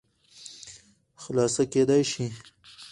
خلاصه کېداى شي